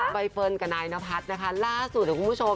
ใบเฟิร์นกับนายนพัดล่าสุดของคุณผู้ชม